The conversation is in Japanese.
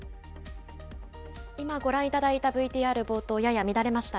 今ご覧いただいたＶＴＲ冒頭、やや乱れました。